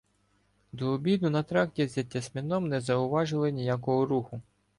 До обіду на тракті за Тясмином не зауважили ніякого руху.